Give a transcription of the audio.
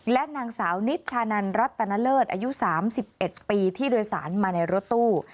และนางสาวนิชชานันรัตนเลิศอายุ๓๑ปีที่โดยสารมาในรถตู้